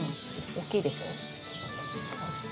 大きいでしょう？